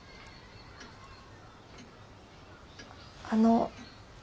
あの。